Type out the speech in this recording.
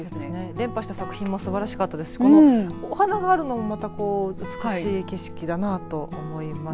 連覇した作品も素晴らしかったですしこの花があるのもまた美しい景色だなと思います。